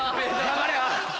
頑張れよ！